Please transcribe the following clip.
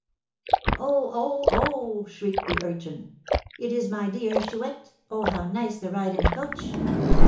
"Oh! oh! oh!" shrieked the urchin; "it is my dear Chouette! Oh, how nice the ride in a coach!"